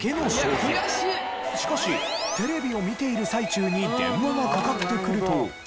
しかしテレビを見ている最中に電話がかかってくると。